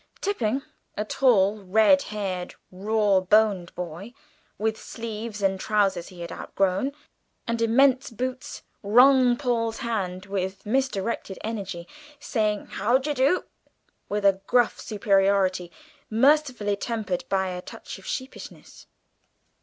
Tipping, a tall, red haired, raw boned boy, with sleeves and trousers he had outgrown, and immense boots, wrung Paul's hand with misdirected energy, saying "how de do?" with a gruff superiority, mercifully tempered by a touch of sheepishness.